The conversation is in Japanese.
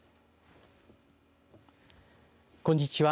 こんにちは。